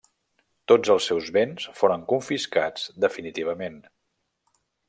Tots els seus béns foren confiscats definitivament.